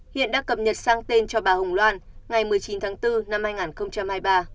hiện đã cập nhật sang tên cho bà hồng loan ngày một mươi chín tháng bốn năm hai nghìn hai mươi ba